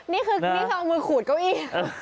นี่คือนี่เขาเอามือขูดเก้าอี้